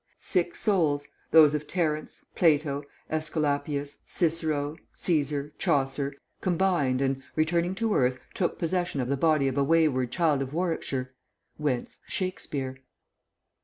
Six souls, those of Terence, Plato, Æsculapius, Cicero, Cæsar, Chaucer, combined and, returning to earth, took possession of the body of a wayward child of Warwickshire; whence, Shakespeare."